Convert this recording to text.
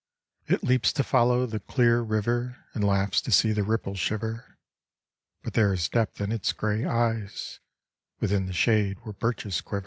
It leaps to follow the clear river And laughs to see the ripples shiver, But there is depth in its gray eyes Within the shade where birches quiver.